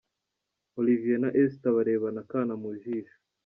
Olivier na Esther barebana akana mu jisho,.